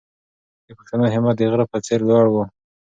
د پښتنو همت د غره په څېر لوړ و.